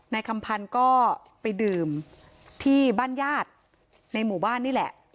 คำพันธ์ก็ไปดื่มที่บ้านญาติในหมู่บ้านนี่แหละ